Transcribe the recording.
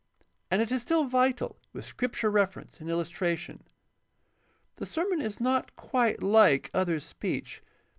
And it is still vital with Scripture reference and illustration. The sermon is not quite Kke other speech.